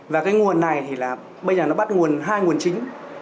và cái nguồn này thì là bây giờ nó bắt nguồn hai nguồn chính